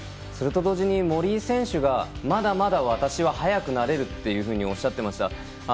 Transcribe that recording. それと同時に森井選手はまだまだ私は速くなれるとおっしゃっていました。